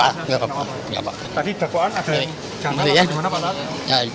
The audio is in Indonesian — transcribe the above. tadi dakwaan ada yang jalan atau gimana pak